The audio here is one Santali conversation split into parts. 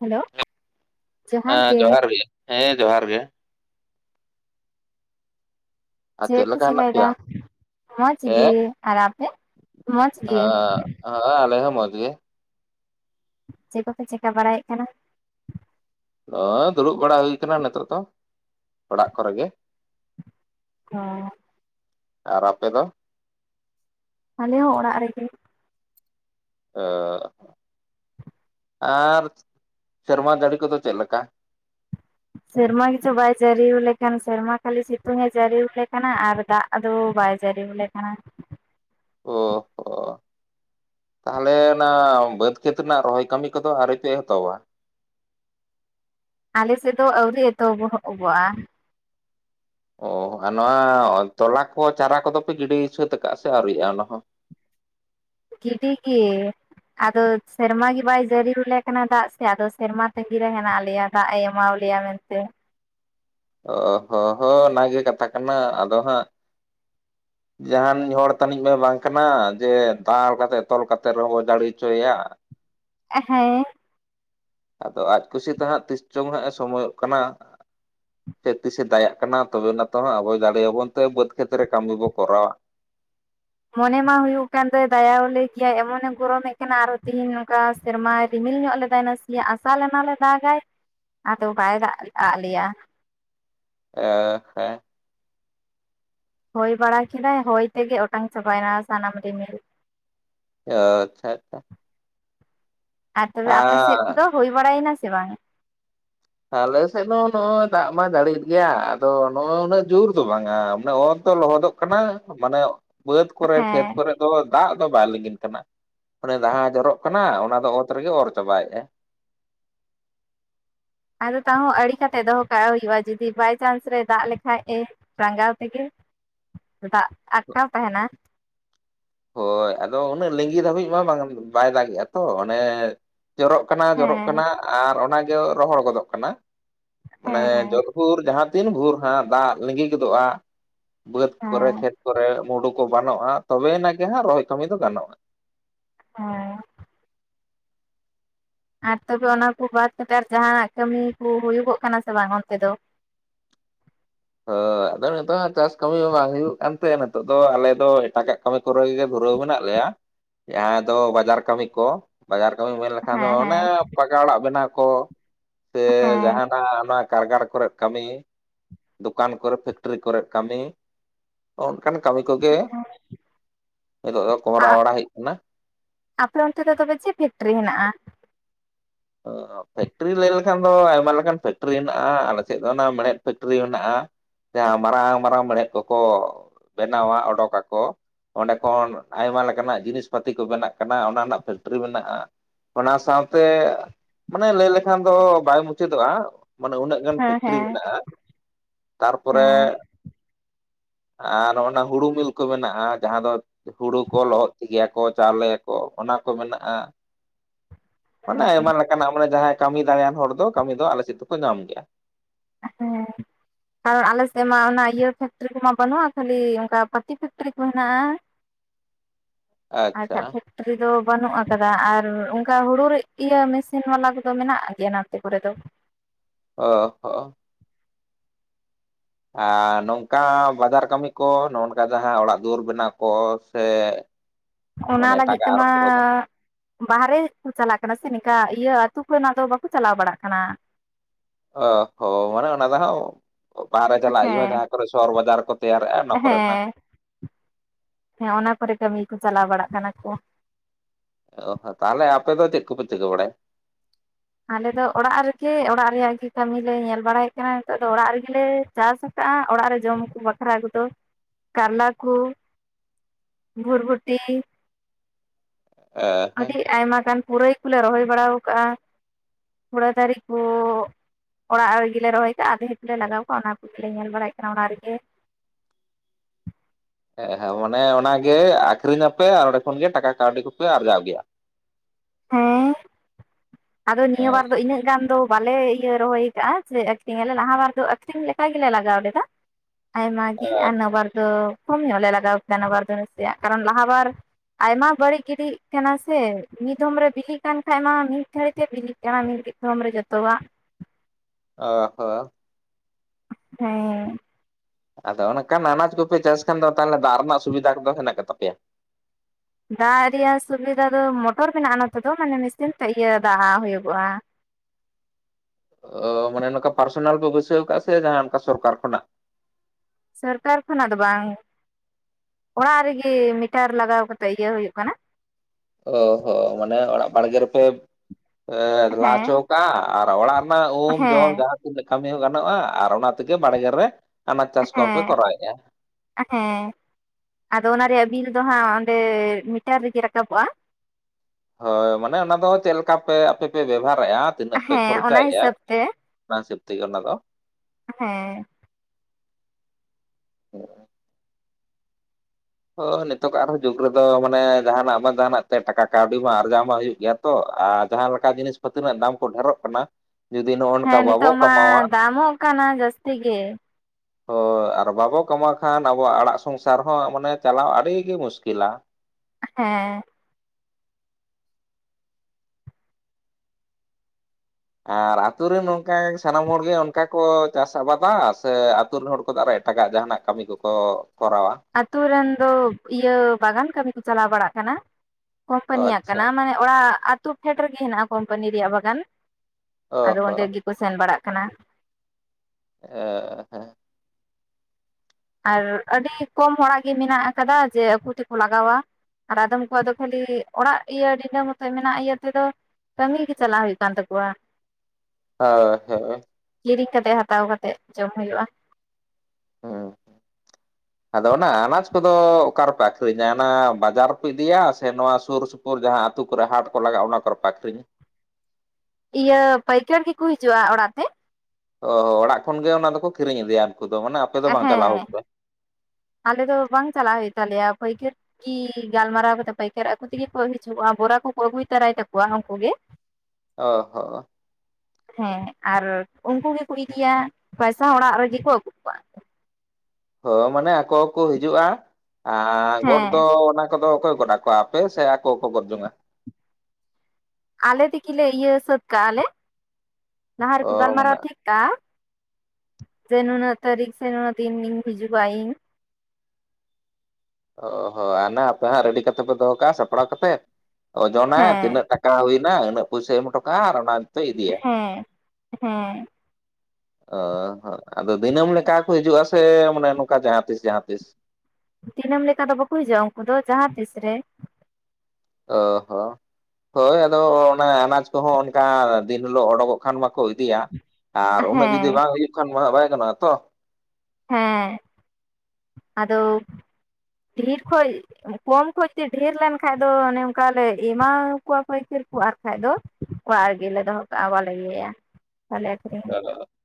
ᱦᱮᱞᱳ ᱦᱮᱸ ᱡᱚᱦᱟᱨ ᱜᱮ᱾ ᱦᱮᱸ ᱡᱚᱦᱟᱨ ᱜᱮ᱾ ᱟᱨ ᱪᱮᱫ ᱯᱮ ᱞᱮᱠᱟ ᱦᱮᱱᱟᱜ ᱪᱠᱟᱭᱟ? ᱯᱮᱭᱟ? ᱢᱚᱸᱡᱽ ᱜᱮ, ᱦᱮᱸ ᱟᱨ ᱟᱯᱮ, ᱢᱚᱡᱽ ᱜᱮ᱾ ᱚ ᱦᱟ ᱟᱞᱮ ᱦᱚᱸ ᱢᱚᱡᱽ ᱜᱮ᱾ ᱪᱮᱫ ᱠᱚᱯᱮ, ᱪᱮᱠᱟ ᱵᱟᱲᱟᱭᱮᱫ ᱠᱟᱱᱟ? ᱳ ᱫᱩᱲᱩᱵ ᱵᱟᱲᱟ ᱦᱩᱭ ᱠᱟᱱᱟ, ᱱᱤᱛᱳᱜ ᱫᱚ ᱚᱲᱟᱜ ᱠᱚᱨᱮ ᱜᱮ᱾ ᱦᱮᱸ, ᱟᱨ ᱟᱯᱮ ᱫᱚ? ᱟᱞᱮ ᱦᱚᱸ ᱚᱲᱟᱜ ᱨᱮᱜᱮ᱾ ᱚ ᱟᱨ ᱥᱮᱨᱢᱟ ᱫᱟᱹᱲᱤ ᱠᱚᱫᱚ ᱪᱮᱫ ᱞᱮᱠᱟ? ᱥᱮᱨᱢᱟ ᱜᱮᱪᱚ ᱵᱟᱭ ᱡᱟᱹᱨᱤ ᱞᱮᱠᱟᱱ᱾ ᱥᱮᱨᱢᱟ ᱠᱷᱟᱹᱞᱤ ᱥᱤᱛᱩᱝ ᱮ ᱡᱟᱹᱨᱤᱞᱮ ᱠᱟᱱᱟ᱾ ᱟᱨ ᱫᱟᱜ ᱟᱫᱚ ᱵᱟᱭ ᱡᱟᱹᱨᱤᱣᱟᱞᱮ ᱠᱟᱱᱟ᱾ ᱚ, ᱚᱸ ᱛᱟᱦᱚᱞᱮ ᱚᱱᱟ ᱵᱟᱹᱫᱽ ᱠᱷᱮᱛ ᱨᱮᱱᱟᱜ ᱨᱚᱦᱚᱭ ᱠᱟᱹᱢᱤ ᱠᱚᱫᱚ ᱟᱨᱚ ᱪᱚᱭ ᱮ ᱦᱟᱛᱟᱚᱵᱣᱟ? ᱟᱞᱮ ᱥᱮᱫ ᱫᱚ, ᱟᱹᱣᱨᱤ ᱮᱛᱚᱦᱚᱵ ᱵᱚᱦᱚᱜ ᱜᱚᱜᱼᱟ᱾ ᱚ ᱟᱨ ᱱᱚᱣᱟ ᱛᱚᱞᱟ ᱠᱚ, ᱪᱟᱨᱟ ᱠᱚᱫᱚᱯᱮ ᱜᱤᱰᱤ ᱥᱟᱹᱛ ᱠᱫᱼᱟ ᱥᱮ ᱟᱹᱣᱨᱩᱮᱫᱼᱟ ᱚᱱᱟ ᱦᱚᱸ? ᱜᱤ ᱴᱤ ᱜᱮ᱾ ᱟᱫᱚ ᱥᱮᱨᱢᱟ ᱜᱮ ᱵᱟᱭ ᱡᱟᱹᱨᱤᱲ ᱟᱞᱮ ᱠᱟᱱᱟ ᱫᱟᱜ᱾ ᱥᱮ ᱟᱫᱚ ᱥᱮᱨᱢᱟ ᱛᱟᱹᱜᱤᱮ ᱦᱮᱱᱟᱜ ᱞᱮᱭᱟ᱾ ᱫᱟᱜ ᱮ ᱮᱢᱟᱣᱟ ᱞᱮᱭᱟ ᱢᱮᱱᱛᱮ ᱚ ᱦᱚᱸ ᱦᱚᱸ, ᱚᱱᱟᱜᱮ ᱠᱟᱛᱷᱟ ᱠᱟᱱᱟ᱾ ᱟᱫᱚ ᱦᱟᱸᱜ [inaudible] ᱡᱟᱦᱟᱱᱤᱡ ᱦᱚᱲ ᱛᱟᱹᱱᱤᱡ ᱢᱮ ᱵᱟᱝ ᱠᱟᱱᱟ᱾ ᱡᱮ ᱫᱟᱞ ᱠᱟᱛᱮ ᱛᱚᱞ ᱠᱟᱛᱮ ᱨᱮᱦᱚᱸ ᱵᱚ ᱡᱟᱲᱮ ᱦᱚᱪᱚᱭᱮᱭᱟ᱾ ᱮᱫ ᱦᱮᱸ ᱟᱫᱚ ᱟᱡ ᱠᱩᱥᱤ ᱛᱮ ᱦᱟᱸᱜ ᱛᱤᱥ ᱪᱚᱝ ᱦᱟᱸᱜ ᱮ ᱥᱚᱢᱚᱭᱚᱜ ᱠᱟᱱᱟ᱾ ᱥᱮ ᱛᱤᱥᱮ ᱫᱟᱲᱭᱟᱜ ᱠᱟᱱᱟ᱾ ᱛᱚᱵᱮ ᱱᱟᱛ ᱦᱚᱸᱜ ᱟᱵᱚᱭ ᱫᱟᱲᱮ ᱟᱵᱚᱱ ᱛᱮ ᱵᱟᱹᱫᱽ ᱠᱷᱮᱛᱨᱮ ᱠᱟᱹᱢᱤ ᱵᱚ ᱠᱚᱨᱟᱣᱟ᱾ ᱢᱚᱱᱮ ᱢᱟ ᱦᱩᱭᱩᱜ ᱠᱟᱱ ᱛᱟᱭ ᱫᱟᱭᱟᱞᱟᱹᱭ ᱜᱮᱟᱭ᱾ ᱮᱢᱚᱱᱮ ᱜᱚᱨᱚᱢᱮᱫ ᱠᱟᱱᱟ᱾ ᱟᱨᱦᱚ ᱛᱤᱦᱤᱧ ᱱᱚᱝᱠᱟ ᱥᱮᱨᱢᱟᱭ ᱨᱤᱢᱤᱞ ᱧᱚᱜ ᱞᱮᱫᱟᱭ᱾ ᱱᱟ ᱥᱮ ᱟᱥᱟ ᱞᱮᱱᱟᱞᱮ ᱫᱟᱜᱟᱭ᱾ ᱟᱫᱚ ᱵᱟᱭ ᱫᱟᱜ ᱟᱟᱜ ᱞᱮᱭᱟ᱾ [unintelligible] ᱦᱩᱭ ᱵᱟᱲᱟ ᱠᱮᱫᱟᱭ᱾ ᱦᱚᱭ ᱛᱮᱜᱮ ᱚᱴᱟᱝ ᱪᱟᱵᱟᱭᱮᱱᱟ ᱥᱟᱱᱟᱢ ᱨᱤᱢᱤᱞ᱾ ᱟ ᱟᱪᱷᱟ, ᱟᱪᱷᱟ, ᱟᱨ ᱛᱚᱵᱮ ᱟᱯᱮ ᱥᱮᱫ ᱟᱨ ᱠᱚᱫᱚ ᱦᱩᱭ ᱵᱟᱲᱟᱭ ᱱᱟᱥᱮ ᱵᱟᱝ? ᱟᱞᱮ ᱥᱮᱫ ᱫᱚ ᱱᱚᱜᱼᱚᱭ ᱫᱟᱜ ᱢᱟ ᱫᱟᱲᱤᱭᱮᱫ ᱜᱮᱭᱟ᱾ ᱟᱫᱚ ᱱᱚᱜᱼᱚᱭ ᱩᱱᱟᱹᱜ ᱡᱳᱨ ᱫᱚ ᱵᱟᱝᱟ᱾ ᱢᱟᱱᱮ ᱚᱛ ᱛ ᱞᱚᱦᱚᱫᱚᱜ ᱠᱟᱱᱟ᱾ ᱠᱟᱱᱟ, ᱢᱟᱱᱮ ᱵᱟᱹᱫᱽ ᱠᱚᱨᱮ ᱠᱷᱮᱛ ᱦᱮᱸ ᱠᱚᱨᱮ᱾ ᱫᱚ ᱫᱟᱜ ᱫᱚ ᱵᱟᱭ ᱞᱤᱸᱜᱤᱱ ᱠᱟᱱᱟ᱾ ᱚᱱᱮ ᱡᱟᱦᱟᱸ ᱡᱚᱨᱚᱜ ᱠᱟᱱᱟ ᱚᱱᱟ ᱫᱚ ᱚᱛ ᱨᱮᱜᱮ ᱚᱨ ᱪᱟᱵᱟᱭᱮᱫᱼᱟ᱾ ᱟᱫᱚ ᱛᱟᱦᱚᱸ ᱦᱚᱸ ᱟᱲᱮ ᱠᱟᱛᱮ ᱫᱚᱦᱚ ᱠᱟᱜ ᱦᱩᱭᱩᱜᱼᱟ᱾ ᱡᱩᱫᱤ ᱵᱟᱭ ᱪᱟᱱᱥ ᱨᱮ ᱫᱟᱜ ᱞᱮᱠᱷᱟᱡ ᱮ᱾ ᱨᱟᱸᱜᱟᱣ ᱛᱮᱜᱮ ᱫᱟᱜ ᱟᱠᱟᱣ ᱛᱟᱦᱮᱱᱟ᱾ ᱦᱳᱭ ᱟᱫᱚ ᱩᱱᱟᱹᱜ ᱞᱤᱸᱜᱤ ᱫᱷᱟᱹᱵᱤᱡ ᱢᱟ ᱵᱟᱝ ᱵᱟᱭ ᱫᱟᱜᱮᱜᱼᱟ ᱛᱚ ᱚᱱᱮ᱾ ᱡᱚᱨᱚᱜ ᱠᱟᱱᱟ ᱡᱚᱨᱚᱜ ᱦᱮᱸ ᱠᱟᱱᱟ ᱟᱨ ᱚᱱᱟᱜᱮ ᱨᱚᱦᱚᱲ ᱜᱚᱫᱚᱜ ᱠᱟᱱᱟ ᱢᱟᱱᱮ ᱦᱮᱸ ᱦᱮᱸ ᱡᱚᱨᱼᱼ ᱵᱷᱳᱨ ᱡᱟᱦᱟᱸ ᱛᱤᱱ ᱵᱷᱳᱨ ᱦᱟᱸᱜ ᱫᱟᱜ ᱞᱤᱸᱜᱤ ᱜᱚᱫᱚᱜᱼᱟ ᱵᱟᱹᱫᱽ ᱠᱚᱨᱮ ᱦᱮᱸ ᱠᱷᱮᱛ ᱠᱚᱨᱮ ᱢᱩᱰᱩᱠᱼᱼ ᱵᱟᱱᱚᱜᱼᱟ, ᱛᱚᱵᱮᱭᱟᱱᱮᱜ ᱜᱮ ᱦᱟᱸᱜ ᱨᱚᱦᱚᱭ ᱠᱟᱹᱢᱤ ᱫᱚ ᱜᱟᱱᱚᱜᱼᱟ᱾ ᱦᱮᱸ ᱟᱨ ᱛᱚᱵᱮ ᱚᱱᱟ ᱠᱚ ᱵᱟᱫᱽ ᱠᱟᱛᱮᱫ ᱟᱨ ᱡᱟᱦᱱᱟᱜ ᱠᱟᱹᱢᱤ ᱠᱚ ᱦᱩᱭᱩᱜᱚᱜ ᱠᱟᱱᱟ ᱥᱮ ᱵᱟᱝ ᱚᱱᱛᱮ ᱫᱚ? ᱦᱳᱭ ᱟᱫᱚ ᱱᱤᱛᱚᱜ ᱦᱟᱸᱜ ᱪᱟᱥ ᱠᱟᱹᱢᱤ ᱦᱚᱸ ᱵᱟᱝ ᱦᱩᱭᱩᱜ ᱠᱟᱱᱛᱮ ᱱᱤᱛᱚᱜ ᱫᱚ ᱟᱞᱮᱫ ᱫᱚ ᱮᱴᱟᱜᱟᱜ᱾ ᱠᱟᱹᱢᱤ ᱠᱚᱨᱮ ᱜᱮ ᱫᱷᱩᱨᱟᱹᱣ ᱢᱮᱱᱟᱜ ᱞᱮᱭᱟ ᱡᱟᱦᱟᱸᱭ ᱫᱚ ᱵᱟᱡᱟᱨ ᱠᱟᱹᱢᱤ ᱠᱚ᱾ ᱵᱟᱡᱟᱨ ᱠᱟᱹᱢᱤ ᱢᱮᱱ ᱞᱮᱠᱷᱟᱱ ᱫᱚ ᱦᱮᱸ ᱚᱱᱮ ᱦᱮᱸ ᱯᱟᱠᱟ ᱚᱲᱟᱜ ᱵᱮᱱᱟᱣ ᱠᱚ ᱥᱮ ᱦᱮᱸ ᱡᱟᱦᱟᱱᱼᱼ ᱚᱱᱟ, ᱚᱱᱟ ᱠᱟᱨᱜᱟᱲ ᱠᱚᱨᱮ ᱠᱟᱹᱢᱤ᱾ ᱫᱚᱠᱟᱱ ᱠᱚᱨᱮ ᱯᱷᱮᱠᱴᱨᱤ ᱠᱚᱨᱮᱜ ᱠᱟᱹᱢᱤ᱾ ᱚᱱᱠᱟᱱ ᱠᱟᱹᱢᱤ ᱠᱚᱜᱮ ᱱᱮᱛᱚᱜ ᱫᱚ ᱠᱚᱢᱨᱟᱣ ᱟ- ᱵᱟᱲᱟ ᱦᱩᱭᱩᱜ ᱠᱟᱱᱟ᱾ ᱟᱯᱮ ᱚᱱᱛᱮ ᱫᱚ ᱛᱚᱵᱮ ᱪᱮᱫ ᱯᱷᱮᱠᱴᱨᱤ ᱦᱮᱱᱟᱜᱼᱟ? ᱚ ᱯᱷᱮᱠᱴᱨᱤ ᱞᱟᱹᱭ ᱞᱮᱠᱷᱟᱱ ᱫᱚ ᱟᱭᱢᱟ ᱞᱮᱠᱟᱱ ᱯᱷᱮᱠᱴᱨᱤ ᱦᱮᱱᱟᱜᱼᱟ, ᱟᱞᱮ ᱥᱮᱫ ᱫᱚ ᱚᱱᱟ ᱢᱮᱲᱦᱮᱫ ᱯᱷᱮᱠᱴᱨᱤ ᱢᱮᱱᱟᱜᱼᱟ᱾ ᱡᱟᱦᱟᱸ ᱢᱟᱨᱟᱝ ᱢᱟᱨᱟᱝ ᱢᱮᱬᱦᱮᱫ ᱠᱚᱠᱚ ᱵᱮᱱᱟᱣᱟ ᱚᱰᱚᱠᱟᱠᱚ᱾ ᱚᱸᱰᱮ ᱠᱷᱚᱱ ᱟᱭᱢᱟ ᱞᱮᱠᱟᱱᱟᱜ ᱡᱤᱱᱤᱥ ᱯᱟᱹᱛᱤ ᱠᱚ ᱵᱮᱱᱟᱜ ᱠᱟᱱᱟ ᱚᱱᱟ ᱨᱮᱱᱟᱜ ᱯᱷᱮᱠᱴᱨᱤ ᱢᱮᱱᱟᱜᱼᱟ᱾ ᱚᱱᱟ ᱥᱟᱶᱛᱮ᱾ ᱢᱟᱱᱮ ᱞᱟᱹᱭ ᱞᱮᱠᱷᱟᱱ ᱫᱚ ᱵᱟᱭ ᱢᱩᱪᱟᱹᱫᱚᱜᱼᱟ ᱢᱟᱱᱮ ᱩᱱᱟᱹᱜ ᱜᱟᱱ ᱦᱮᱸ ᱯᱷᱮᱠᱴᱨᱤ ᱦᱮᱸ ᱢᱮᱱᱟᱜᱼᱟ᱾ ᱛᱟᱨᱯᱚᱨᱮ ᱦᱮᱸ ᱟᱨ ᱱᱚᱜᱼᱱᱟ ᱦᱩᱲᱩ ᱢᱤᱞ ᱠᱚ ᱢᱮᱱᱟᱜᱼᱟ ᱡᱟᱦᱟᱸ ᱫᱚ ᱦᱩᱲᱩ ᱠᱚ ᱞᱚᱦᱚᱫ ᱛᱮᱠᱮᱭᱟ ᱠᱚ ᱪᱟᱣᱞᱮᱭᱟᱠᱚ ᱚᱱᱟ ᱠᱚ ᱢᱮᱱᱟᱜᱼᱟ᱾ ᱚᱱᱮ ᱟᱭᱢᱟ ᱞᱮᱠᱟᱱᱟᱜ ᱢᱟᱱᱮ ᱡᱟᱦᱟᱸᱭ ᱠᱟᱹᱢᱤ ᱫᱟᱲᱮᱭᱟᱱ ᱦᱚᱲ ᱫᱚ ᱠᱟᱹᱢᱤ ᱫᱚ ᱟᱞᱮ ᱥᱮᱫ ᱫᱚᱠᱚ ᱧᱟᱢ ᱜᱮᱭᱟ᱾ ᱦᱮᱸ ᱠᱟᱨᱚᱱ ᱟᱞᱮᱥᱮᱫ ᱢᱟ ᱚᱱᱟ ᱤᱭᱟᱹ ᱯᱷᱮᱠᱴᱨᱤ ᱠᱚᱢᱟ ᱵᱟᱹᱱᱩᱜᱼᱟ ᱠᱷᱟᱹᱞᱤ ᱚᱱᱠᱟ ᱯᱟᱹᱛᱤ ᱯᱷᱮᱠᱴᱨᱤ ᱠᱚ ᱦᱮᱱᱟᱜᱼᱟ᱾ [inaudible] ᱟᱪᱪᱷᱟ ᱟᱪᱷᱟ ᱯᱷᱮᱠᱼᱼ ᱴᱨᱤᱫᱚ ᱵᱟᱹᱱᱩᱜ ᱟᱠᱟᱫᱟ ᱟᱨ ᱚᱱᱠᱟ ᱦᱩᱲᱩ ᱨᱮ ᱤᱭᱟᱹ ᱢᱮᱥᱤᱱ ᱵᱟᱞᱟ ᱠᱚᱫᱚ ᱢᱮᱱᱟᱜ ᱜᱮᱭᱟ ᱱᱚᱛᱮ ᱠᱚᱨᱮ ᱫᱚ᱾ ᱚ ᱦᱚ᱾ ᱟᱨ ᱱᱚᱝᱠᱟ ᱵᱟᱡᱟᱨ ᱠᱟᱹᱢᱤ ᱠᱚ ᱱᱚᱜᱼᱱᱚᱠᱟ ᱡᱟᱦᱟᱸ ᱚᱲᱟᱜ ᱫᱩᱣᱟᱹᱨ ᱵᱮᱱᱟᱣ ᱠᱚ ᱥᱮ [inaudible] ᱚᱱᱟ ᱢᱟᱱᱮ ᱞᱟᱹᱜᱤᱫ ᱮᱴᱟᱜᱟᱜ ᱟᱨᱚ ᱛᱮᱢᱟ ᱵᱚᱱ ᱵᱟᱦᱨᱮ ᱠᱚ ᱪᱟᱞᱟᱜ ᱠᱟᱱᱟ ᱥᱮ ᱱᱤᱝᱠᱟ ᱤᱭᱟᱹ ᱟᱹᱛᱩ ᱠᱚᱨᱮᱱᱟᱜ ᱫᱚ ᱵᱟᱠᱚ ᱪᱟᱞᱟᱣ ᱵᱟᱲᱟᱜ ᱠᱟᱱᱟ᱾ ᱚ ᱦᱚ ᱢᱟᱱᱮ ᱚᱱᱟ ᱫᱚ ᱦᱟᱸᱜ ᱚᱠᱟᱨᱮ ᱪᱟᱞᱟᱜ ᱦᱩᱭᱩᱜᱼᱟ ᱦᱮᱸ ᱡᱟᱦᱟᱸ ᱠᱚᱨᱮ ᱥᱚᱨᱚᱦᱚᱨ ᱵᱟᱡᱟᱨ ᱠᱚ ᱛᱮᱭᱟᱨᱮᱜ-ᱟ ᱱᱚ ᱠᱚᱨᱮ ᱱᱟ᱾ ᱦᱮᱸ ᱦᱮᱸ ᱚᱱᱟ ᱠᱚᱨᱮ ᱠᱟᱹᱢᱤ ᱠᱚ ᱪᱟᱞᱟᱣ ᱵᱟᱲᱟᱜ ᱠᱟᱱᱟ ᱠᱚ᱾ ᱚ ᱦᱚ ᱛᱟᱦᱞᱮ ᱟᱯᱮ ᱫᱚ ᱪᱮᱫ ᱠᱚᱯᱮ ᱪᱤᱠᱟᱹ ᱵᱟᱲᱟᱭ? ᱟᱞᱮ ᱫᱚ ᱚᱲᱟᱜ ᱨᱮᱜᱮ ᱚᱲᱟᱜ ᱨᱮᱭᱟᱜ ᱜᱮ ᱠᱟᱹᱢᱤ ᱞᱮ ᱧᱮᱞ ᱵᱟᱲᱟᱭᱮᱫ ᱠᱟᱱᱟ ᱱᱤᱛᱚᱜ ᱫᱚ ᱚᱲᱟᱜ ᱨᱮᱜᱮ ᱪᱟᱥᱟ᱾ ᱠᱟᱜᱼᱟ ᱚᱲᱟᱜ ᱨᱮ ᱡᱚᱢ ᱠᱚ ᱵᱟᱠᱷᱨᱟ ᱠᱚᱫᱚ ᱠᱟᱨᱞᱟ ᱠᱚ᱾ ᱵᱷᱩᱨᱵᱷᱚᱨᱴᱤ ᱦᱮᱸ ᱟᱹᱰᱤ ᱟᱭᱢᱟ ᱜᱟᱱ ᱯᱩᱨᱟᱹᱭ ᱠᱚᱞᱮ ᱨᱚᱦᱚᱭ ᱵᱟᱲᱟᱣᱟᱠᱟᱜᱼᱟ ᱫᱟᱨᱤ ᱠᱚ ᱚᱲᱟᱜ ᱨᱮᱜᱮ ᱞᱮ ᱨᱚᱦᱚᱭ ᱠᱟᱜᱼᱟ ᱟᱫᱷᱮ ᱠᱚᱞᱮ ᱞᱟᱜᱟᱣ ᱠᱟᱜ ᱚᱱᱟ ᱠᱚᱜᱮᱞᱮ ᱧᱮᱞ ᱵᱟᱲᱟᱭᱮᱫ ᱠᱟᱱᱟ ᱚᱱᱟ ᱨᱮᱜᱮ ᱦᱮᱸ ᱦᱮᱸ ᱢᱟᱱᱮ ᱚᱱᱟᱜᱮ ᱟᱠᱷᱨᱤᱧ ᱟᱯᱮ ᱟᱨ ᱚᱸᱰᱮ ᱠᱷᱚᱱ ᱜᱮ ᱴᱟᱠᱟ ᱠᱟᱹᱣᱰᱤ ᱠᱚᱯᱮ ᱟᱨᱡᱟᱣ ᱜᱮᱭᱟ ᱦᱮᱸ, ᱟᱫᱚ ᱱᱤᱭᱟᱹ ᱦᱮᱸ ᱵᱟᱨ ᱫᱚ ᱤᱱᱟᱹᱜ ᱜᱟᱱ ᱫᱚ ᱵᱟᱞᱮ ᱤᱭᱟᱹ ᱨᱚᱦᱚᱭ ᱟᱠᱟᱜᱼᱟ ᱥᱮ ᱟᱹᱠᱷᱨᱤᱝ ᱟᱞᱮ ᱞᱟᱦᱟ ᱵᱟᱨ ᱫᱚ ᱟᱹᱠᱷᱨᱤᱝ ᱞᱮᱠᱟ ᱜᱮᱞᱮ ᱞᱟᱜᱟᱣ ᱞᱮᱫᱟ᱾ ᱟᱭᱢᱟ ᱜᱮ ᱟᱨ ᱱᱟᱹᱵᱟᱨ ᱫᱚ ᱠᱚᱢ ᱧᱚᱜ ᱞᱮ ᱞᱟᱜᱟᱣ ᱠᱮᱫᱟ ᱱᱟᱹᱵᱟᱨ ᱫᱚ ᱱᱟᱥᱮᱭᱟᱜ ᱠᱟᱨᱚᱱ ᱞᱟᱦᱟ ᱵᱟᱨ ᱟᱭᱢᱟ ᱵᱟᱹᱲᱤᱡ ᱜᱤᱰᱤᱜ ᱠᱟᱱᱟ ᱥᱮ ᱢᱤᱫ ᱢᱤᱫ ᱫᱷᱚᱢ ᱨᱮ ᱵᱤᱞᱤᱜ ᱠᱟᱱ ᱠᱷᱟᱡ ᱢᱟ ᱢᱤᱫ ᱜᱷᱟᱹᱲᱤᱡᱛᱮ ᱵᱤᱞᱤᱜ ᱠᱟᱱᱟ ᱢᱤᱫ ᱫᱷᱚᱢ ᱨᱮ ᱡᱚᱛᱚᱣᱟᱜ᱾ ᱚ ᱦᱚ᱾ ᱦᱮᱸ᱾ ᱟᱫᱚ ᱚᱱᱠᱟᱱ ᱟᱱᱟᱡᱽ ᱠᱚᱯᱮ ᱪᱟᱥ ᱠᱷᱟᱱ ᱫᱚ ᱛᱟᱦᱚᱞᱮ ᱫᱟᱜ ᱨᱮᱱᱟᱜ ᱥᱩᱵᱤᱫᱷᱟ ᱠᱚᱫᱚ ᱦᱮᱱᱟᱜ ᱜᱮ ᱛᱟᱯᱮᱭᱟ? ᱫᱟᱜ ᱨᱮᱭᱟᱜ ᱥᱩᱵᱤᱫᱷᱟ ᱫᱚ ᱢᱚᱴᱚᱨ ᱢᱮᱱᱟᱜᱼᱟ, ᱱᱚᱛᱮ ᱫᱚ ᱢᱟᱱᱮ ᱢᱮᱥᱤᱱ ᱛᱮ ᱤᱭᱟᱹ ᱫᱟᱜ ᱦᱩᱭᱩᱜᱚᱜᱼᱟ᱾ ᱚ ᱢᱟᱱᱮ ᱱᱚᱝᱠᱟ ᱯᱟᱨᱥᱚᱱᱟᱞ ᱯᱮ ᱵᱟᱹᱭᱥᱟᱹᱣ ᱠᱚᱜ-ᱟ ᱥᱮ ᱡᱟᱦᱟᱸ ᱚᱱᱠᱟ ᱥᱚᱨᱠᱟᱨ ᱠᱷᱚᱱᱟᱜ? ᱥᱚᱨᱠᱟᱨ ᱠᱷᱚᱱᱟᱜ ᱫᱚ ᱵᱟᱝ, ᱚᱲᱟᱜ ᱨᱮᱜᱮ ᱢᱤᱴᱟᱨ ᱞᱟᱜᱟᱣ ᱠᱟᱛᱮ ᱤᱭᱟᱹ ᱦᱩᱭᱩᱜ ᱠᱟᱱᱟ᱾ ᱚᱦᱚ ᱢᱟᱱᱮ ᱚᱲᱟᱜ ᱵᱟᱲᱜᱮ ᱨᱮᱯᱮ ᱞᱟ ᱦᱮᱸ ᱦᱚᱪᱚ ᱟᱠᱟᱜᱼᱟ ᱟᱨ ᱚᱲᱟᱜ ᱩᱢ ᱡᱚᱢ ᱦᱮᱸ ᱡᱟᱦᱟᱸ ᱛᱤᱱᱟᱹᱜ ᱠᱟᱹᱢᱤ ᱦᱚᱸ ᱜᱟᱱᱚᱜᱼᱟ ᱟᱨ ᱚᱱᱟ ᱛᱮᱜᱮ ᱵᱟᱲᱜᱮ ᱨᱮ ᱟᱱᱟᱡ ᱪᱟᱥ ᱠᱚᱦᱚᱸ ᱯᱮ ᱦᱮᱸ ᱠᱚᱨᱟᱣ ᱮᱜᱼᱟ ᱦᱮᱸ ᱟᱫᱚ ᱚᱱᱟ ᱨᱮᱭᱟᱜ ᱵᱤᱞ ᱫᱚ ᱦᱟᱸᱜ ᱚᱸᱰᱮ ᱢᱤᱴᱟᱨ ᱨᱮᱜᱮ ᱨᱟᱠᱟᱵ ᱚᱜᱼᱟ ᱦᱳᱭ ᱢᱟᱱᱮ ᱚᱱᱟ ᱫᱚ ᱪᱮᱫ ᱞᱮᱠᱟ ᱯᱮ ᱟᱯᱮ ᱯᱮ ᱵᱮᱵᱷᱟᱨ ᱮᱜᱼᱟ ᱛᱤᱱᱟᱹᱜ ᱯᱮ ᱦᱮᱸ ᱚᱱᱟ ᱠᱷᱚᱨᱪᱟᱭᱮᱜᱼᱟ ᱦᱤᱥᱟᱹᱵ ᱛᱮ ᱚᱱᱟ ᱦᱤᱥᱟᱹᱵᱽ ᱛᱮᱜᱮ ᱚᱱᱟᱫᱚ ᱦᱮᱸ ᱦᱳᱭ ᱱᱤᱛᱚᱜ ᱟᱜ ᱟᱨᱦᱚᱸ ᱡᱩᱜᱽ ᱨᱮᱫᱚ ᱢᱟᱱᱮ ᱡᱟᱦᱟᱸᱱᱟᱜ ᱵᱟᱝ ᱡᱟᱦᱟᱸᱱᱟᱜ ᱛᱮ ᱴᱟᱠᱟ ᱠᱟᱹᱣᱰᱤ ᱢᱟ ᱟᱨᱡᱟᱣ ᱢᱟ ᱦᱩᱭᱩᱜ ᱜᱮᱭᱟ ᱛᱚ ᱟᱨ ᱡᱟᱦᱟᱸ ᱞᱮᱠᱟ ᱡᱤᱱᱤᱥ ᱯᱟᱹᱛᱤ ᱨᱮᱱᱟᱜ ᱫᱟᱢ ᱠᱚ ᱰᱷᱮᱨᱚᱜ ᱠᱟᱱᱟ ᱡᱩᱫᱤ ᱱᱚᱜᱼᱚ ᱱᱚᱝᱠᱟ ᱦᱮᱸ ᱵᱟᱵᱚ ᱱᱤᱛᱚᱜ ᱢᱟ ᱠᱟᱢᱟᱣᱟ ᱫᱟᱢᱚᱜ ᱠᱟᱱᱟ ᱡᱟᱹᱥᱛᱤ ᱜᱮ ᱦᱳᱭ ᱟᱨ ᱵᱟᱵᱚ ᱠᱟᱢᱟᱣ ᱠᱷᱟᱱ ᱟᱵᱚᱣᱟᱜ ᱟᱲᱟᱜ ᱥᱚᱝᱥᱟᱨ ᱦᱚᱸ ᱢᱟᱱᱮ ᱪᱟᱞᱟᱣ ᱟᱹᱰᱤ ᱜᱮ ᱢᱩᱥᱠᱤᱞ ᱟ ᱦᱮᱸ ᱟᱨ ᱟ‌ᱛᱩ ᱨᱮᱱ ᱱᱚᱝᱠᱟ ᱥᱟᱱᱟᱢ ᱦᱚᱲ ᱜᱮ ᱚᱱᱠᱟ ᱠᱚ ᱪᱟᱥ ᱟᱵᱟᱫᱟ ᱥᱮ ᱟ. ᱛᱩ ᱨᱮᱱ ᱦᱚᱲ ᱠᱚᱫᱚ ᱟᱨᱚ ᱮᱴᱟᱜᱟᱜ ᱡᱟᱦᱟᱸᱱᱟᱜ ᱠᱟᱹᱢᱤ ᱠᱚᱠᱚ ᱠᱚᱨᱟᱣ ᱟ ᱟᱛᱩ ᱨᱮᱱ ᱫᱚ ᱤᱭᱟᱹ ᱵᱟᱜᱟᱱ ᱠᱟᱹᱢᱤ ᱠᱚ ᱪᱟᱞᱟᱣ ᱵᱟᱲᱟᱜ ᱠᱟᱱᱟ ᱚ ᱠᱳᱢᱯᱟᱱᱤᱭᱟᱜ ᱟᱪᱪᱷᱟ ᱠᱟᱱᱟ ᱢᱟᱱᱮ ᱚᱲᱟᱜ ᱟᱹᱛᱩ ᱯᱷᱮᱰ ᱨᱮᱜᱮ ᱦᱮᱸᱱᱟᱜᱼᱟ ᱠᱳᱢᱯᱟᱱᱤ ᱨᱮᱭᱟᱜ ᱵᱟᱜᱟᱱ ᱚ ᱟᱫᱚ ᱚᱸᱰᱮ ᱦᱚᱸ ᱜᱮᱠᱚ ᱥᱮᱱ ᱵᱟᱲᱟᱜ ᱠᱟᱱᱟ ᱚ [unintelligible] ᱟᱨ ᱟᱹᱰᱤ ᱠᱚᱢ ᱦᱚᱲᱼᱟᱜ ᱜᱮ ᱢᱮᱱᱟᱜ ᱟᱠᱟᱫᱟ ᱡᱮ ᱟᱠᱩ ᱛᱮᱠᱚ ᱞᱟᱜᱟᱣ ᱟ ᱟᱨ ᱟᱫᱚᱢ ᱠᱚᱣᱟᱜ ᱫᱚ ᱠᱷᱟᱹᱞᱤ ᱚᱲᱟᱜ ᱤᱭᱟᱹ ᱰᱤᱱᱟᱹ ᱢᱚᱛᱚ ᱢᱮᱱᱟᱜ ᱤᱭᱟᱹ ᱛᱮᱫᱚ ᱠᱟᱹᱢᱤ ᱜᱮ ᱪᱟᱞᱟᱜ ᱦᱩᱭᱩᱜ ᱠᱟᱱ ᱛᱟᱠᱚᱣᱟ ᱦᱳᱭ ᱦᱳᱭ ᱠᱤᱨᱤᱧ ᱠᱟᱛᱮᱫ ᱦᱟᱛᱟᱣ ᱠᱟᱛᱮᱫ ᱡᱚᱢ ᱦᱩᱭᱩᱜᱼᱟ ᱦᱩᱸ ᱟᱫᱚ ᱚᱱᱟ ᱟᱱᱟᱡ ᱠᱚᱫᱚ ᱚᱠᱟ ᱨᱮᱯᱮ ᱟᱠᱷᱨᱤᱧ ᱟ ᱚᱱᱟ ᱵᱟᱡᱟᱨ ᱯᱮ ᱤᱫᱤᱭᱟ ᱥᱮ ᱱᱚᱣᱟ ᱥᱩᱨ ᱥᱩᱯᱩᱨ ᱡᱟᱦᱟᱸ ᱟᱹᱛᱩ ᱠᱚᱨᱮ ᱦᱟᱴ ᱠᱚ ᱞᱟᱜᱟᱜ ᱚᱱᱟ ᱠᱚᱨᱮ ᱯᱮ ᱟᱹᱠᱷᱨᱤᱧ ᱟ ᱤᱭᱟᱹ ᱯᱟᱹᱭᱠᱟᱹᱨ ᱜᱮ ᱠᱚ ᱦᱤᱡᱩᱜᱼᱟ ᱚᱲᱟᱜ ᱛᱮ ᱚ ᱚᱲᱟᱜ ᱠᱷᱚᱱ ᱜᱮ ᱚᱱᱟ ᱫᱚᱠᱚ ᱠᱤᱨᱤᱧ ᱤᱫᱤᱭᱟ ᱩᱱᱠᱩ ᱫᱚ ᱢᱟᱱᱮ ᱫᱚ ᱵᱟᱝ ᱪᱟᱞᱟᱣ ᱦᱮᱸ ᱦᱩᱭᱩᱜ ᱯᱮ ᱟᱞᱮ ᱫᱚ ᱵᱟᱝ ᱪᱟᱞᱟᱜ ᱦᱩᱭᱩᱜ ᱛᱟᱞᱮᱭᱟ ᱯᱟᱹᱭᱠᱟᱹᱨ ᱠᱤ ᱜᱟᱞᱢᱟᱨᱟᱣ ᱠᱟᱛᱮ ᱯᱟᱹᱭᱠᱟᱹᱨ ᱟᱠᱚ ᱛᱮᱜᱮ ᱠᱚ ᱦᱤᱡᱩᱜᱼᱟ ᱵᱚᱨᱟ ᱠᱚᱠᱚ ᱟᱹᱜᱩ ᱛᱟᱨᱟᱭ ᱛᱟᱠᱚᱣᱟ ᱩᱱᱠᱩ ᱜᱮ ᱚ ᱦᱚ ᱦᱮᱸ ᱟᱨ ᱩᱱᱠᱩ ᱜᱮᱠᱚ ᱤᱫᱤᱭᱟ ᱯᱟᱭᱥᱟ ᱦᱚᱸ ᱚᱲᱟᱜ ᱨᱮᱜᱮ ᱠᱚ ᱟᱹᱜᱩ ᱟᱠᱚᱣᱟ ᱦᱚᱸ ᱢᱟᱱᱮ ᱟᱠᱚ ᱜᱮᱠᱚ ᱦᱤᱡᱩᱜᱼᱟ ᱟᱨ ᱜᱚᱫ ᱦᱮᱸ ᱫᱚ ᱚᱱᱟ ᱠᱚᱫᱚ ᱠᱚᱠᱚᱭ ᱜᱚᱫ ᱟᱠᱚᱣᱟ ᱟᱯᱮ ᱥᱮ ᱟᱠᱚ ᱜᱮᱠᱚ ᱜᱚᱫ ᱡᱚᱜ ᱟ ᱟᱞᱮ ᱛᱮᱜᱤ ᱞᱮ ᱤᱭᱟᱹ ᱥᱟᱹᱛ ᱠᱟᱜᱼᱟ ᱞᱮ ᱞᱟᱦᱟ ᱚ ᱨᱮᱠᱚ ᱢᱟᱱᱮ ᱜᱟᱞᱢᱟᱨᱟᱣ ᱴᱷᱤᱠ ᱥᱮ ᱱᱩᱱᱟᱹᱜ ᱛᱟᱹᱨᱤᱠ ᱥᱮ ᱱᱩᱱᱟᱹᱜ ᱫᱤᱱ ᱤᱧ ᱦᱤᱡᱩᱜᱼᱟ ᱤᱧ ᱚ ᱦᱚᱸ ᱟᱱᱟ ᱟᱯᱮ ᱦᱟᱸᱜ ᱨᱮᱰᱤ ᱠᱟᱛᱮ ᱯᱮ ᱫᱚᱦᱚ ᱠᱟᱜᱼᱟ ᱥᱟᱯᱲᱟᱣ ᱠᱟᱛᱮᱫ ᱳᱡᱚᱱᱟᱭ ᱦᱮᱸ ᱛᱤᱱᱟᱹᱜ ᱴᱟᱠᱟ ᱪᱟᱠᱟ ᱦᱩᱭᱱᱟ ᱩᱱᱟᱹᱜ ᱯᱚᱭᱥᱟᱹᱭ ᱮᱢ ᱦᱚᱴᱚ ᱠᱟᱜ-ᱟ ᱟᱨ ᱚᱱᱟ ᱱᱤᱛᱚᱜ ᱤᱫᱤᱭᱟ ᱦᱮᱸ ᱦᱮᱸ ᱚ ᱦᱮᱜ ᱟᱫᱚ ᱫᱤᱱᱟᱹᱢ ᱞᱮᱠᱟ ᱠᱚ ᱦᱤᱡᱩᱜ-ᱟ ᱥᱮ ᱢᱟᱱᱮ ᱱᱚᱝᱠᱟ ᱡᱟᱦᱟᱸ ᱛᱤᱥ ᱡᱟᱦᱟᱸ ᱛᱤᱥ ᱫᱤᱱᱟᱹᱢ ᱞᱮᱠᱟ ᱫᱚ ᱵᱟᱠᱚ ᱦᱤᱡᱩᱜ-ᱟ ᱩᱱᱠᱩ ᱫᱚ ᱡᱟᱦᱟᱸ ᱛᱤᱥ ᱨᱮ ᱚ ᱦᱚ ᱦᱳᱭ ᱟᱫᱚ ᱚᱱᱟ ᱟᱱᱟᱡᱽ ᱠᱚᱦᱚᱸ ᱚᱱᱠᱟ ᱫᱤᱱ ᱦᱤᱞᱳᱜ ᱚᱰᱳᱠᱼᱚᱜ ᱠᱷᱟᱱ ᱢᱟᱠᱚ ᱤᱫᱤᱭᱟ ᱟᱨ ᱩᱱᱟᱹᱜ ᱡᱩᱫᱤ ᱦᱮᱸ ᱵᱟᱝ ᱦᱩᱭᱩᱜ ᱠᱷᱟᱱ ᱢᱟ ᱦᱟᱸᱜ ᱵᱟᱭ ᱜᱟᱱᱚᱜᱼᱟ ᱛᱚ ᱦᱮᱸ ᱟᱫᱚ ᱰᱷᱮᱨ ᱠᱷᱚᱡ ᱠᱚᱢ ᱠᱷᱚᱡ ᱛᱮ ᱰᱷᱮᱨ ᱞᱮᱱ ᱠᱷᱟᱡ ᱫᱚ ᱚᱱᱮ ᱚᱱᱠᱟ ᱞᱮ ᱮᱢᱟ ᱟᱠᱚᱣᱟ ᱯᱟᱹᱭᱠᱟᱹᱨ ᱠᱚ ᱟᱨ ᱠᱟᱷᱡ ᱫᱚ ᱚᱲᱟᱜ ᱨᱮᱜᱮ ᱞᱮ ᱫᱚᱦᱚ ᱠᱟᱜᱼᱟ ᱵᱟᱞᱮ ᱤᱭᱟᱹᱭ ᱟ ᱵᱟᱞᱮ ᱟᱹᱠᱷᱨᱤᱧ [unintelligible]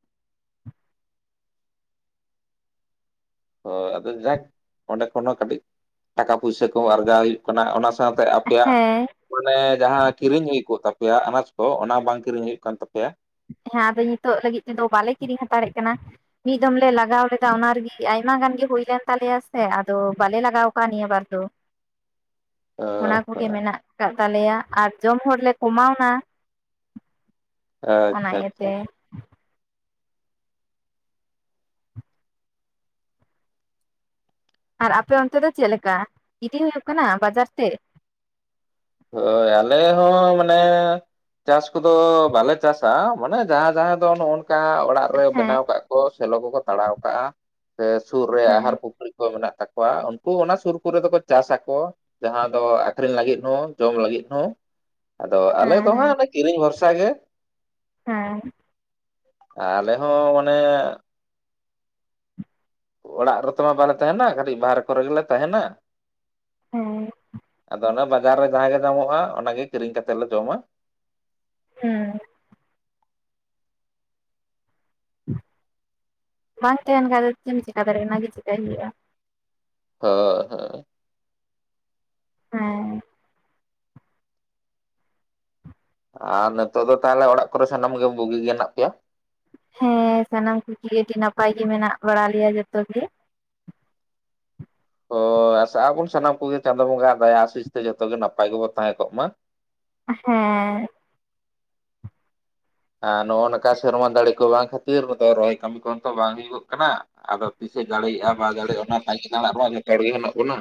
ᱦᱳᱭ ᱟᱫᱚ ᱡᱟᱠ ᱚᱸᱰᱮ ᱠᱷᱚᱱ ᱦᱚᱸ ᱠᱟᱹᱴᱤᱡ ᱴᱟᱠᱟ ᱯᱩᱭᱥᱟᱹ ᱠᱚᱦᱚᱸ ᱟᱨᱡᱟᱣ ᱦᱩᱭᱩᱜ ᱠᱟᱱᱟ ᱚᱱᱟ ᱥᱟᱶᱛᱮ ᱟᱯᱮᱭᱟᱜ ᱦᱮᱸ ᱢᱟᱱᱮ ᱡᱟᱦᱟᱸ ᱠᱤᱨᱤᱧ ᱦᱩᱭ ᱠᱚᱜ ᱛᱟᱯᱮᱭᱟ ᱟᱱᱟᱡᱽ ᱠᱚ ᱚᱱᱟ ᱵᱟᱝ ᱠᱤᱨᱤᱧ ᱦᱩᱭᱩᱜ ᱠᱟᱱ ᱛᱟᱯᱮᱭᱟ ᱦᱮᱸ ᱟᱫᱚ ᱱᱤᱛᱚᱜ ᱞᱟᱹᱜᱤᱫ ᱛᱮᱫᱚ ᱵᱟᱞᱮ ᱠᱤᱨᱤᱧ ᱦᱟᱛᱟᱲ ᱮᱜ ᱠᱟᱱᱟ ᱢᱤᱫ ᱫᱚᱢ ᱞᱮ ᱞᱟᱜᱟᱣ ᱞᱮᱫᱟ ᱚᱱᱟ ᱨᱮᱜᱮ ᱟᱭᱢᱟ ᱜᱟᱱ ᱜᱮ ᱦᱩᱭ ᱞᱮᱱ ᱛᱟᱞᱮᱭᱟ ᱥᱮ ᱟᱫᱚ ᱵᱟᱞᱮ ᱞᱟᱜᱟᱣ ᱱᱤᱭᱟᱹ ᱵᱟᱨ ᱫᱚ ᱚ ᱚᱱᱟ ᱠᱚᱜᱮ ᱢᱮᱱᱟᱜ ᱠᱟᱫ ᱛᱟᱞᱮᱭᱟ ᱟᱨ ᱡᱚᱢ ᱦᱚᱲᱞᱮ ᱠᱚᱢᱟᱣᱱᱟ ᱚᱱᱟ ᱟᱪᱪᱷᱟ ᱟᱪᱪᱷᱟ ᱤᱭᱟᱹᱛᱮ ᱟᱨ ᱟᱯᱮ ᱚᱱᱛᱮ ᱫᱚ ᱪᱮᱫ ᱞᱮᱠᱟ ᱤᱫᱤ ᱦᱩᱭᱩᱜ ᱠᱟᱱᱟ ᱵᱟᱡᱟᱨ ᱛᱮ ᱦᱳᱭ ᱟᱞᱮ ᱦᱚᱸ ᱢᱟᱱᱮ ᱪᱟᱥ ᱠᱚᱫᱚ ᱵᱟᱞᱮ ᱪᱟᱥᱟ ᱢᱟᱱᱮ ᱡᱟᱦᱟᱸᱭ ᱡᱟᱦᱟᱸ ᱫᱚ ᱱᱚᱜ-ᱚᱝᱠᱟ᱾ ᱚᱲᱟᱜ ᱨᱮ ᱦᱮᱸ ᱵᱮᱱᱟᱣ ᱠᱟᱜ ᱠᱚ ᱥᱮᱞᱚ ᱠᱚᱠᱚ ᱛᱟᱲᱟᱣ ᱠᱟᱜ᱾ᱟ ᱥᱮ ᱥᱩᱨ ᱨᱮ ᱦᱮᱸ ᱟᱦᱟᱨ ᱯᱩᱠᱷᱲᱤ ᱢᱮᱱᱟᱜ ᱛᱟᱠᱚᱣᱟ ᱩᱱᱠᱩ ᱚᱱᱟ ᱥᱩᱨ ᱠᱚᱨᱮ ᱫᱚ ᱠᱚ ᱪᱟᱥᱟᱠᱚ ᱡᱟᱦᱟᱸ ᱫᱚ ᱟᱠᱷᱨᱤᱧ ᱞᱟᱹᱜᱤᱫ ᱦᱚᱸ ᱡᱚᱢ ᱞᱟᱹᱜᱤᱫ ᱦᱚᱸ ᱟᱫᱚ ᱟᱞᱮ ᱫᱚ ᱦᱟᱸᱜ ᱦᱮᱸ ᱚᱱᱮ ᱠᱤᱨᱤᱧ ᱵᱷᱚᱨᱥᱟ ᱜᱮ ᱦᱮᱸ ᱟᱞᱮ ᱦᱚᱸ ᱢᱟᱱᱮ ᱚᱲᱟᱜ ᱨᱮᱛᱚᱢᱟ ᱵᱟᱞᱮ ᱛᱟᱦᱮᱱᱟ ᱠᱟᱹᱴᱤᱡ ᱵᱟᱦᱨᱮ ᱠᱚᱨᱮ ᱜᱮᱞᱮ ᱛᱟᱦᱮᱱᱟ᱾ ᱦᱮᱸ ᱟᱫᱚ ᱚᱱᱟ ᱵᱟᱡᱟᱨ ᱨᱮ ᱡᱟᱦᱟᱸ ᱜᱮ ᱧᱟᱢᱚᱜ-ᱟ ᱚᱱᱟᱜ ᱜᱮ ᱠᱤᱨᱤᱧ ᱠᱟᱛᱮ ᱞᱮ ᱡᱚᱢᱟ ᱦᱮᱸ ᱵᱟᱝ ᱛᱟᱦᱮᱱ ᱠᱷᱟᱡ ᱫᱚ ᱪᱮᱫ ᱮᱢ ᱪᱮᱠᱟ ᱫᱟᱲᱮᱭᱟᱜ-ᱟ ᱚᱱᱟᱜᱮ ᱪᱮᱠᱟᱹᱭ ᱦᱩᱭᱩᱜ-ᱟ᱾ ᱦᱳ ᱦᱮᱸ ᱦᱮᱸ ᱟᱨ ᱱᱤᱛᱚᱜ ᱫᱚ ᱛᱟᱦᱚᱞᱮ ᱚᱲᱟᱜ ᱠᱚᱨᱮ ᱥᱟᱱᱟᱢ ᱜᱮ ᱵᱩᱜᱤ ᱜᱮ ᱦᱮᱱᱟᱜ ᱯᱮᱭᱟ ᱦᱮᱸ ᱥᱟᱱᱟᱢ ᱠᱚᱜᱮ ᱟᱹᱰᱤ ᱱᱟᱯᱟᱭ ᱜᱮ ᱢᱮᱱᱟᱜ ᱵᱟᱲᱟ ᱞᱮᱭᱟ ᱡᱚᱛᱚ ᱜᱮ᱾ ᱦᱚ ᱟᱥᱟᱜ ᱟᱵᱚᱱ ᱥᱟᱱᱟᱢ ᱠᱚᱜᱮ ᱪᱟᱸᱫᱳ ᱵᱚᱸᱜᱟᱜ ᱫᱟᱭᱟ ᱟᱹᱥᱩᱪ ᱛᱮ ᱡᱚᱛᱚ ᱜᱮ ᱱᱟᱯᱟᱭ ᱜᱮᱵᱚᱱ ᱛᱟᱦᱮᱸ ᱠᱚᱜ ᱢᱟ ᱦᱮᱸ ᱟᱨ ᱱᱚᱜᱼᱚ ᱱᱚᱝᱠᱟ ᱥᱮᱨᱢᱟ ᱫᱟᱲᱮ ᱠᱚ ᱵᱟᱝ ᱠᱷᱟᱹᱛᱤᱨ ᱨᱚᱦᱚᱭ ᱠᱟᱹᱢᱤ ᱠᱚᱦᱚᱸ ᱛᱚ ᱵᱟᱝ ᱦᱩᱭᱩᱜᱚᱜ ᱠᱟᱱᱟ ᱟᱫᱚ ᱛᱤᱥᱮ ᱫᱟᱲᱮᱭᱟᱜᱼᱟ ᱵᱟᱭ ᱫᱟᱲᱮᱭᱟᱜᱼᱟ ᱚᱱᱟ ᱛᱟᱸᱜᱤ ᱛᱟᱲᱟᱜ ᱨᱮᱢᱟ ᱡᱚᱛᱚ ᱦᱚᱲ ᱜᱮ ᱢᱮᱱᱟᱜ ᱵᱚᱱᱟ᱾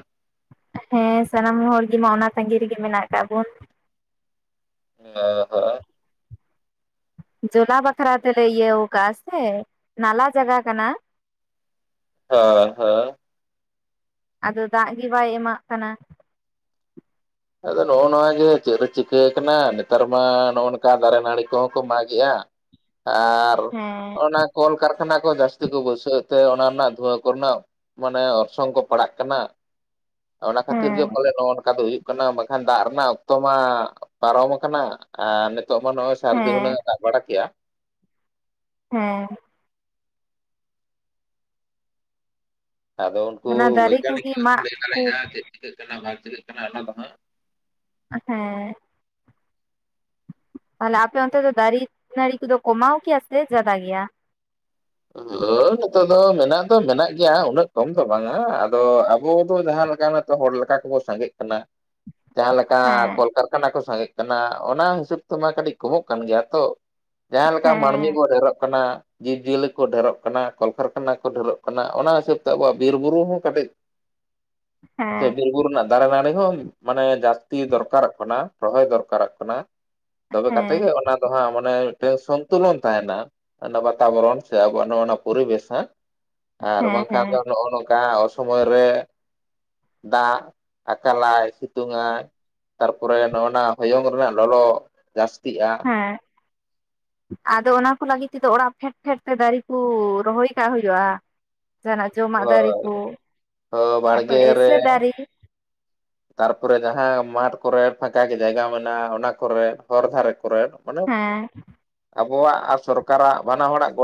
ᱦᱮᱸ ᱥᱟᱱᱟᱢ ᱦᱚᱲ ᱜᱮᱢᱟ ᱚᱱᱟ ᱥᱟᱺᱜᱤ ᱨᱮᱜᱮ ᱢᱮᱱᱟᱜ ᱠᱟᱜ ᱵᱚᱱ [unintelligible] ᱦᱮᱸ ᱡᱚᱞᱟ ᱵᱟᱠᱷᱨᱟ ᱛᱮᱞᱮ ᱤᱭᱟᱹ ᱟᱠᱟᱜ ᱥᱮ ᱱᱟᱞᱟ ᱡᱟᱜᱟ ᱠᱟᱱᱟ᱾ ᱦᱮ ᱦᱮᱸ ᱟᱫᱚ ᱫᱟᱜ ᱜᱮ ᱵᱟᱭ ᱮᱢᱟᱜ ᱠᱟᱱᱟ᱾ ᱟᱫᱚ ᱱᱚᱜᱼᱚ ᱱᱚᱣᱟᱜᱮ ᱪᱮᱫ ᱨᱮ ᱪᱤᱠᱟᱹ ᱠᱟᱱᱟ ᱱᱮᱛᱟᱨ ᱢᱟ ᱱᱚᱜᱼᱚ ᱱᱚᱝᱠᱟ ᱫᱟᱨᱮ ᱱᱟᱹᱲᱤ ᱠᱚᱦᱚᱸ ᱠᱚ ᱢᱟᱜᱮᱜ-ᱟ᱾ ᱟᱨ ᱦᱮᱸ ᱚᱱᱟ ᱠᱚᱞ ᱠᱟᱨᱠᱷᱟᱱᱟ ᱠᱚ ᱡᱟᱹᱥᱛᱤ ᱠᱚ ᱵᱟᱹᱭᱥᱟᱹᱣᱮᱛᱽ ᱛᱮ ᱚᱱᱟ ᱨᱮᱱᱟᱜ ᱫᱷᱩᱣᱟᱹ ᱠᱚᱨᱮᱱᱟᱜ? ᱢᱟᱱᱮ ᱚᱨᱥᱚᱝ ᱠᱚ ᱯᱟᱲᱟᱜ ᱠᱟᱱᱟ ᱚᱱᱟ ᱠᱷᱟᱹᱛᱤᱨ ᱜᱮ ᱦᱮᱸ ᱯᱟᱞᱮ ᱱᱚᱜ-ᱚ ᱱᱚᱝᱠᱟ ᱫᱚ ᱦᱩᱭᱩᱜ ᱠᱟᱱᱟ᱾ ᱵᱟᱠᱷᱟᱱ ᱫᱟᱜ ᱨᱮᱱᱟᱜ ᱚᱠᱛᱚ ᱢᱟ ᱯᱟᱨᱚᱢ ᱟᱠᱟᱱᱟ ᱟᱨ ᱱᱤᱛᱚᱜ ᱢᱟ ᱱᱚᱜ-ᱚᱭ ᱥᱟᱹᱨᱫᱤ ᱦᱮᱸ ᱦᱩᱱᱟᱹᱝ ᱵᱟᱲᱟᱠᱮᱜ-ᱟ ᱦᱮᱸ᱾ ᱟᱫᱚ ᱩᱱᱠᱩ ᱚᱱᱟ ᱫᱟᱨᱮ ᱵᱳᱭᱜᱟᱱᱤᱠ ᱠᱚᱜᱮ ᱜᱮ ᱠᱚ ᱢᱟᱜ ᱞᱟᱹᱭ ᱫᱟᱲᱮᱭᱟᱜ ᱪᱮᱫ ᱪᱤᱠᱟᱹᱜ ᱠᱟᱱᱟ ᱵᱟᱝ ᱪᱤᱠᱟᱹᱜ ᱠᱟᱱᱟ ᱚᱱᱟ ᱫᱚ ᱦᱟᱸᱜ᱾ ᱦᱮᱸ᱾ ᱛᱟᱦᱚᱞᱮ ᱟᱯᱮ ᱚᱱᱛᱮ ᱫᱚ ᱫᱟᱨᱤ ᱱᱟᱹᱲᱤ ᱠᱚᱫᱚ ᱠᱚᱢᱟᱣ ᱠᱤᱭᱟ ᱥᱮ ᱡᱟᱫᱟ ᱜᱮᱭᱟ? ᱦᱮ ᱱᱤᱛᱚᱜ ᱫᱚ ᱢᱮᱱᱟᱜ ᱫᱚ ᱢᱮᱱᱟᱜ ᱜᱮᱭᱟ ᱩᱱᱟᱹᱜ ᱠᱚᱢ ᱫᱚ ᱵᱟᱝᱟ ᱟᱫᱚ ᱟᱵᱚ ᱫᱚ ᱡᱟᱦᱟᱸ ᱞᱮᱠᱟᱱᱟᱜ ᱡᱚᱛᱚ ᱦᱚᱲ ᱞᱮᱠᱟ ᱠᱚᱵᱚ ᱥᱟᱸᱜᱮᱜ ᱠᱟᱱᱟ ᱡᱟᱦᱟᱸ ᱞᱮᱠᱟ ᱦᱮᱸ ᱠᱚᱞᱠᱟᱨᱠᱷᱟᱱᱟ ᱠᱚ ᱥᱟᱸᱜᱮᱜ ᱠᱟᱱᱟ ᱚᱱᱟ ᱦᱤᱥᱟᱹᱵ ᱛᱮᱢᱟ ᱠᱟᱹᱴᱤᱡ ᱠᱚᱢᱚᱜ ᱠᱟᱱ ᱜᱮᱭᱟ ᱛᱚ ᱡᱟᱦᱟᱸ ᱞᱮᱠᱟ ᱢᱟᱹᱱᱢᱤ ᱦᱮᱸ ᱠᱚ ᱰᱷᱮᱨᱚᱜ ᱠᱟᱱᱟ ᱡᱤᱵᱽᱡᱤᱭᱟᱹᱞᱤ ᱠᱚ ᱰᱷᱮᱨᱚᱜ ᱠᱟᱱᱟ ᱠᱚᱞᱠᱟᱨᱠᱷᱟᱱᱟ ᱠᱚ ᱰᱷᱮᱨᱚᱜ ᱠᱟᱱᱟ ᱚᱱᱟ ᱦᱤᱥᱟᱹᱵ ᱛᱮ ᱟᱵᱚᱣᱟᱜ ᱵᱤᱨ ᱵᱩᱨᱩ ᱦᱚᱸ ᱠᱟᱹᱴᱤᱡ᱾ ᱥᱮ ᱦᱮᱸ ᱵᱤᱨ ᱵᱩᱨᱩ ᱱᱟ ᱫᱟᱨᱮ ᱱᱟᱹᱲᱤ ᱦᱚᱸ ᱢᱟᱱᱮ ᱡᱟᱹᱥᱛᱤ ᱫᱚᱨᱠᱟᱨᱚᱜ ᱠᱟᱱᱟ ᱨᱚᱦᱚᱭ ᱫᱚᱨᱠᱟᱨᱚᱜ ᱠᱟᱱᱟ᱾ ᱛᱚᱵᱮ ᱠᱟᱛᱮ ᱦᱮᱸ ᱜᱮ ᱚᱱᱟ ᱫᱚ ᱦᱟᱸᱜ ᱢᱟᱱᱮ ᱢᱤᱫᱴᱮᱱ ᱥᱚᱱᱛᱩᱞᱚᱱ ᱛᱟᱦᱮᱱᱟ ᱚᱱᱟ ᱵᱟᱛᱟᱵᱚᱨᱚᱱ ᱟᱵᱚᱣᱟᱜ ᱱᱚᱜ ᱱᱚᱣᱟ ᱯᱚᱨᱤᱵᱮᱥ ᱦᱟᱹᱜ ᱟᱨ ᱦᱮᱸ ᱵᱟᱝᱠᱷᱟᱱ ᱦᱮᱸ ᱫᱚ ᱱᱚᱜ-ᱚ ᱱᱚᱝᱠᱟ ᱥᱚᱢᱚᱭ ᱨᱮ ᱫᱟᱜ ᱟᱠᱟᱞᱟᱭ ᱥᱤᱛᱩᱝ ᱟᱭ ᱛᱟᱨᱯᱚᱨᱮ ᱱᱚᱜ ᱚᱱᱟ ᱦᱚᱭᱚᱝ ᱨᱮᱱᱟᱜ ᱞᱚᱞᱚ ᱡᱟᱹᱥᱛᱤᱜ-ᱟ᱾ ᱦᱮᱜᱸ᱾ ᱟᱫᱚ ᱚᱱᱟ ᱠᱚ ᱞᱟᱹᱜᱤᱫ ᱛᱮᱫᱚ ᱚᱲᱟᱜ ᱯᱷᱮᱰ ᱯᱷᱮᱰ ᱛᱮ ᱫᱟᱨᱤ ᱠᱩ ᱨᱚᱦᱚᱭ ᱠᱟᱜ ᱦᱩᱭᱩᱜ-ᱟ᱾ ᱡᱟᱦᱟᱸ ᱱᱟᱜ ᱡᱚᱢᱟᱜ ᱫᱟᱨᱤ ᱦᱳᱭ ᱠᱩ ᱦᱳᱭ ᱵᱟᱲᱜᱮ ᱛᱟᱯᱚᱨᱮ ᱨᱮ ᱮᱭᱥᱮ ᱫᱟᱨᱤ ᱜᱤ᱾ [inaudible] ᱛᱟᱨᱯᱚᱨᱮ ᱡᱟᱦᱟᱸ ᱢᱟᱴᱷ ᱠᱚᱨᱮ ᱯᱷᱟᱠᱟ ᱜᱮ ᱡᱟᱭᱜᱟ ᱢᱮᱱᱟᱜ-ᱟ ᱚᱱᱟ ᱠᱚᱨᱮ ᱦᱚᱨ ᱫᱷᱟᱨᱮ ᱠᱚᱨᱮᱫ᱾ ᱚᱱᱮᱵ ᱟᱵᱚᱣᱟᱜ ᱟᱨ ᱥᱚᱨᱠᱟᱨᱟᱜ ᱵᱟᱱᱟ ᱦᱚᱲᱟᱜ ᱜᱚ